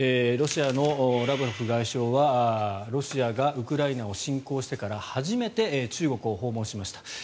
ロシアのラブロフ外相はロシアがウクライナを侵攻してから初めて中国を訪問しました。